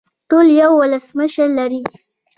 ټول یو ولسمشر لري